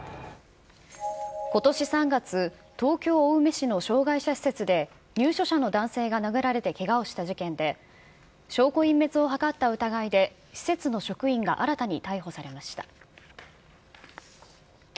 ことし３月、東京・青梅市の障害者施設で、入所者の男性が殴られてけがをした事件で、証拠隠滅を図った疑いで、施設の職員が新たに逮捕されました。